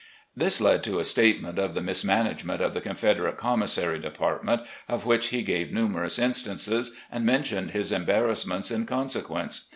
"This led to a statement of the mismanagement of the Confederate Commissary Department, of which he gave numerous instances, and mentioned his embarrassments in consequence.